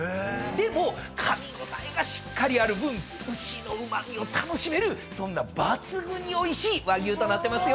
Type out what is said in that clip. でもかみ応えがしっかりある分牛のうま味を楽しめるそんな抜群においしい和牛となってますよ。